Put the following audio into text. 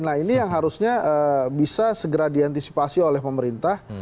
nah ini yang harusnya bisa segera diantisipasi oleh pemerintah